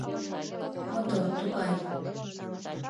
Мотор тугай.